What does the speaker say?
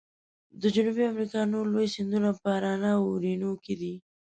د جنوبي امریکا نور لوی سیندونه پارانا او اورینوکو دي.